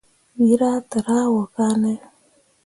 Wǝ rah tǝrah wo kane.